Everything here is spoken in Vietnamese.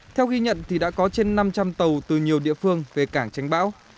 theo ghi nhận thì đã có trên năm trăm linh tàu từ nhiều địa phương về cảng tránh bão